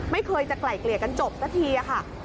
ไม่เคยจะไกล่เกลี่ยกันจบสักทีค่ะ